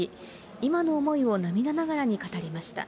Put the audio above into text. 今の思いを涙ながらに語りました。